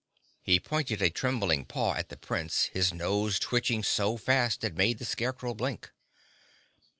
He pointed a trembling paw at the Prince, his nose twitching so fast it made the Scarecrow blink.